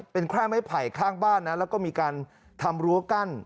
เป็นแค่ไม้ไผ่ข้างบ้านนะแล้วก็มีการทำรั้วกั้น